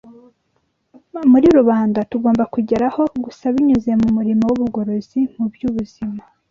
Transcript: muri rubanda tugomba kugeraho gusa binyuze mu murimo w’ubugorozi mu by’ubuzima?